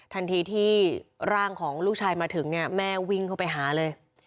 ทันทีที่ร่างของลูกชายมาถึงเนี่ยแม่วิ่งเข้าไปหาเลย